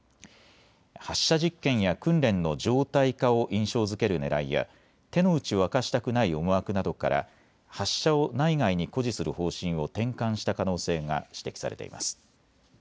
発射実験や訓練の常態化を印象づけるねらいや手の内を明かしたくない思惑などから発射を内外に誇示する方針を転換した可能性が指摘されています。